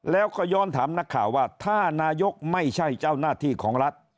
แล้วก็ย้อนถามนักข่าวว่าถ้านายกไม่ใช่เจ้าหน้าที่ของรัฐ